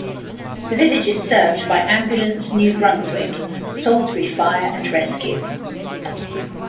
The village is served by Ambulance New Brunswick, Salisbury Fire and Rescue.